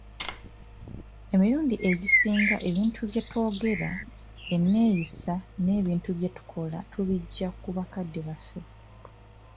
Emirundi egisinga ebintu bye twogera, eneyisaa, n'ebintu bye tukola tubijja ku bakadde baffe.